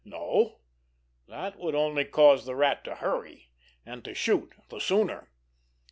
No! That would only cause the Rat to hurry—and to shoot the sooner.